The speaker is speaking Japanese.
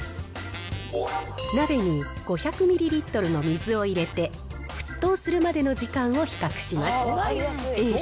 鍋に５００ミリリットルの水を入れて、沸騰するまでの時間を比較します。